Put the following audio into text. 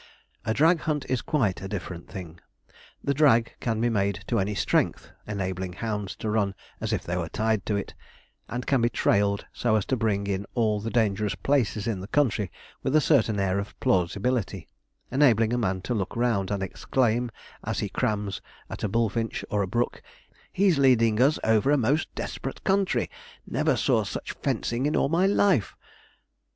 A drag hunt is quite a different thing. The drag can be made to any strength; enabling hounds to run as if they were tied to it, and can be trailed so as to bring in all the dangerous places in the country with a certain air of plausibility, enabling a man to look round and exclaim, as he crams at a bullfinch or brook, 'he's leading us over a most desperate country never saw such fencing in all my life!'